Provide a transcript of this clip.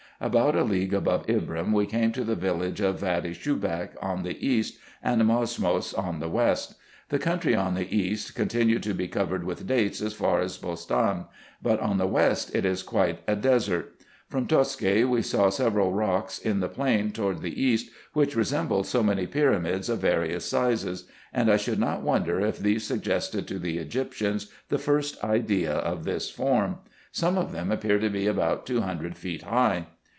About a league above Ibrim we came to the village of Vady Shubak on the east, and Mosmos on the west. The country on the east continued to be covered with dates as far as Bostan, but on the west it is quite a desert. From Toske we saw several rocks in the plain toward the east, which resembled so many pyramids of various sizes ; and I should not wonder if these suggested to the Egyptians the first idea of this form. Some of them appear to be about two hundred feet high.